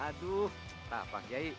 aduh tak apa